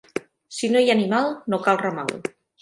Si no hi ha animal, no cal ramal.